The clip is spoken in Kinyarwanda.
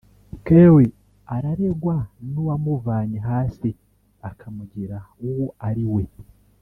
Kelly araregwa n’uwamuvanye hasi akamugira uwo ari we